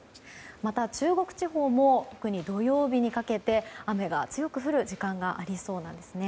また、中国地方も特に土曜日にかけて雨が強く降る時間がありそうなんです。